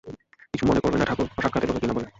কিছু মনে করিবেন না ঠাকুর, অসাক্ষাতে লোকে কী না বলে।